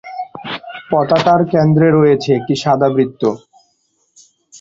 পতাকার কেন্দ্রে রয়েছে একটি সাদা বৃত্ত।